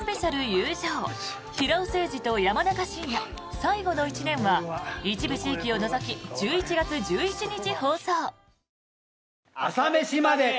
「友情平尾誠二と山中伸弥『最後の一年』」は一部地域を除き１１月１１日放送。